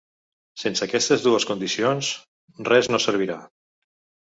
Sense aquestes dues condicions, res no servirà.